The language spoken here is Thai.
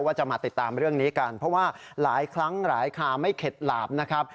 จะมาติดตามเรื่องนี้กันเพราะว่าหลายครั้งหลายคาไม่เข็ดหลาบนะครับ